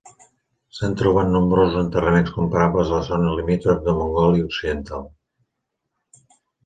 S'han trobat nombrosos enterraments comparables a la zona limítrof de Mongòlia occidental.